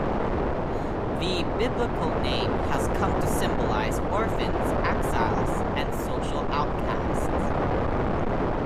The Biblical name has come to symbolize orphans, exiles, and social outcasts.